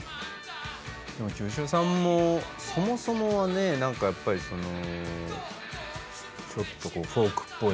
でも清志郎さんもそもそもはね何かやっぱりちょっとフォークっぽい。